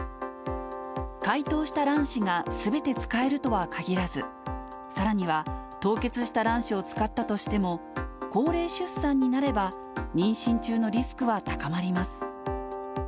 解凍した卵子がすべて使えるとはかぎらず、さらには、凍結した卵子を使ったとしても、高齢出産になれば、妊娠中のリスクは高まります。